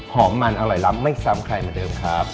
มันอร่อยล้ำไม่ซ้ำใครเหมือนเดิมครับ